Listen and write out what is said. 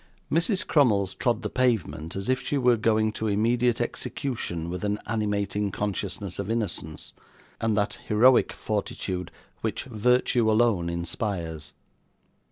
Mrs. Crummles trod the pavement as if she were going to immediate execution with an animating consciousness of innocence, and that heroic fortitude which virtue alone inspires.